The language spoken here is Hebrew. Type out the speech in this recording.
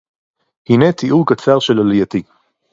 הנה תיאור קצר של עלייתי.